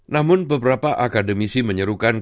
namun beberapa akademisi menyerukan